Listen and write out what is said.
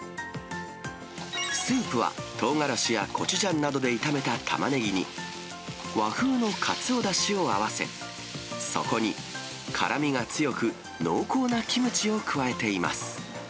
スープはとうがらしやコチュジャンなどで炒めたタマネギに、和風のカツオだしを合わせ、そこに、辛みが強く、濃厚なキムチを加えています。